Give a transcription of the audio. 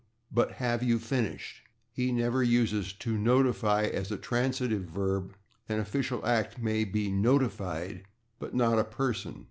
but "have you finished?" He never uses /to notify/ as a transitive verb; an official act may be /notified/, but not a person.